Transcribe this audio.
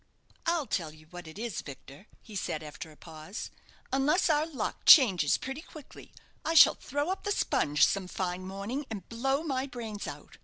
"I'll tell you what it is, Victor," he said, after a pause, "unless our luck changes pretty quickly, I shall throw up the sponge some fine morning, and blow my brains out.